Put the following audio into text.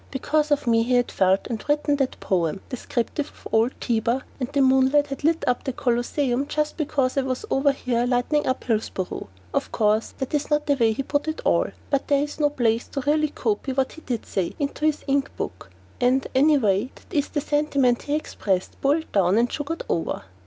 Because of me he had felt and written that poem descriptive of old Tiber, and the moonlight had lit up the Colosseum just because I was over here lighting up Hillsboro. Of course, that is not the way he put it all, but there is no place to really copy what he did say down into this imp book and, anyway, that is the sentiment he expressed, boiled down and sugared over.